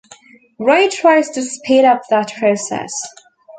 Ray tries to speed up that process.